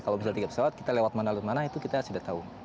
kalau misalnya tiga pesawat kita lewat mana lewat mana itu kita sudah tahu